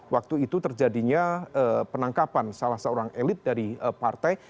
waktu itu terjadinya penangkapan salah seorang elit dari partai